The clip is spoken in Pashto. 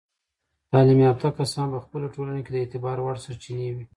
تعلیم یافته کسان په خپلو ټولنو کې د اعتبار وړ سرچینې وي.